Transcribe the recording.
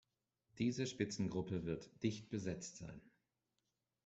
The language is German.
Diese Spitzengruppe wird dicht besetzt sein.